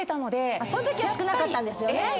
そんときは少なかったんですよね。